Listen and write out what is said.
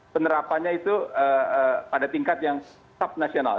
penerapannya itu pada tingkat yang subnasional